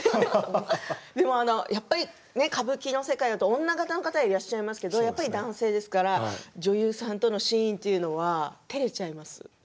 でもやっぱり歌舞伎の世界だと女形の方がいらっしゃいますがやっぱり男性ですから女優さんとのシーンというのはてれちゃいます？